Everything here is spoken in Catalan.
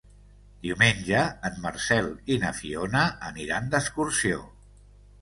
Diumenge en Marcel i na Fiona aniran d'excursió.